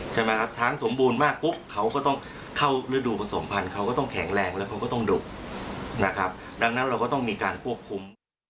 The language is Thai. ใช่ไหมครับช้างสมบูรณ์มากปุ๊บเขาก็ต้องเข้าฤดูผสมพันธ์เขาก็ต้องแข็งแรงแล้วเขาก็ต้องดุนะครับดังนั้นเราก็ต้องมีการควบคุม